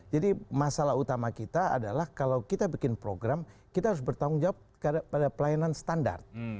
jadi masalah utama kita adalah kalau kita bikin program kita harus bertanggung jawab pada pelayanan standar